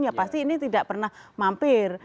ya pasti ini tidak pernah mampir